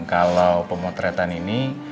kalau pemotretan ini